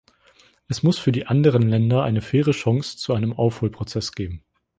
Es muss für die anderen Länder eine faire Chance zu einem Aufholprozess geben.